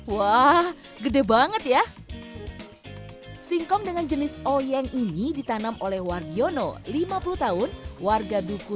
wah gede banget ya singkong dengan jenis oyeng ini ditanam oleh wargiono lima puluh tahun warga duku